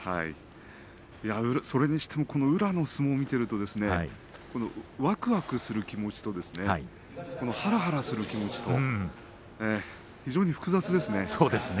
それにしても宇良の相撲を見ているとわくわくする気持ちとはらはらする気持ちと非常に複雑ですね。